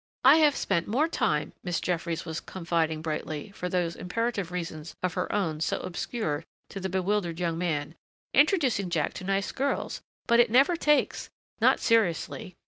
"I have spent more time," Miss Jeffries was confiding brightly, for those imperative reasons of her own so obscure to the bewildered young man, "introducing Jack to nice girls but it never takes! Not seriously.